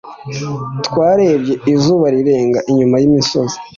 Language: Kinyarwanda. twarebye izuba rirenga inyuma y'imisozi.